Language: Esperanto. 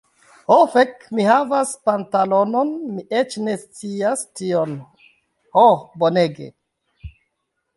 Ho, fek' mi havas pantalonon mi eĉ ne scias tion. Ho, bonege!